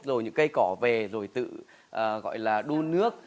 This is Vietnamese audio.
rồi những cây cỏ về rồi tự gọi là đun nước